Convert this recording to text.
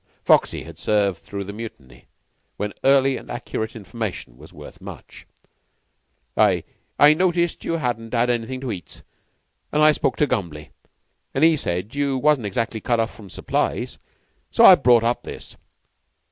Foxy had served through the Mutiny, when early and accurate information was worth much. "I I noticed you 'adn't 'ad anything to eat, an' I spoke to Gumbly, an' he said you wasn't exactly cut off from supplies. So I brought up this.